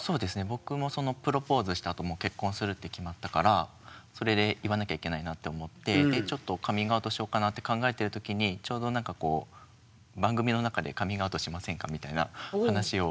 僕もプロポーズしたあと結婚するって決まったからそれで言わなきゃいけないなって思ってちょっとカミングアウトしようかなって考えてる時にちょうどなんかこうみたいな話を。